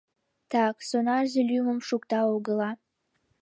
Так... сонарзе лӱмым шукта огыла.